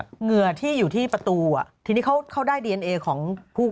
เหงื่อที่อยู่ที่ประตูอ่ะทีนี้เขาได้ดีเอนเอของผู้